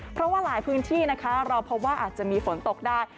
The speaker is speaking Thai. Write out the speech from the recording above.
เพราะว่าหลายพื้นที่นะคะเราพบว่าอาจจะมีฝนตกได้